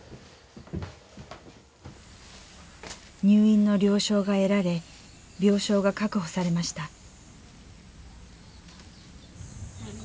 入院の了承が得られ病床が確保されました。